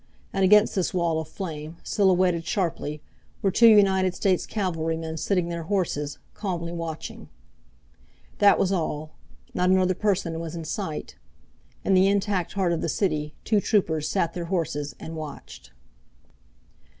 And against this wall of flame, silhouetted sharply, were two United States cavalrymen sitting their horses, calming watching. That was all. Not another person was in sight. In the intact heart of the city two troopers sat their horses and watched.